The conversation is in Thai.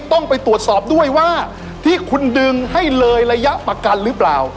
ต้องไปตรวจสอบด้วยว่าที่คุณดึงให้เลยระยะประกันหรือเปล่า